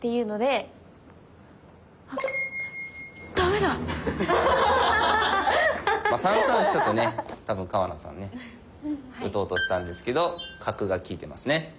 もし３三飛車とね多分川名さんね打とうとしたんですけど角が利いてますね。